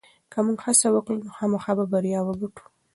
که موږ هڅه وکړو نو خامخا به بریا وګټو.